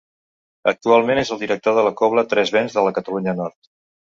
Actualment és el director de la Cobla Tres Vents de la Catalunya Nord.